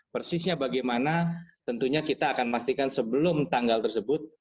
persisnya bagaimana tentunya kita akan pastikan sebelum tanggal tersebut